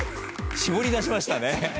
絞り出しましたね。